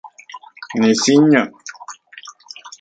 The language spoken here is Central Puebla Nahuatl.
Nisiño